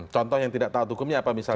contoh yang tidak taat hukumnya apa misalnya